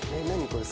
これ。